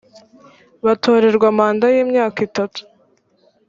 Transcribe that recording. batorerwa manda y imyaka itatu